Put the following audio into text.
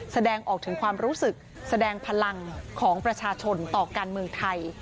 แสดงออกถึงความรู้สึกแสดงพลังของประชาชนต่อการเมืองไทย